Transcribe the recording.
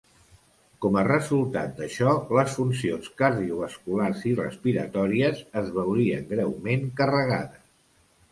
Com a resultat d'això, les funcions cardiovasculars i respiratòries es veurien greument carregades.